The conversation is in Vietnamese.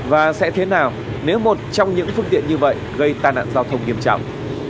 và sẽ thế nào nếu một trong những phương tiện như vậy gây tai nạn giao thông nghiêm trọng